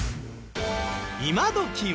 今どきは。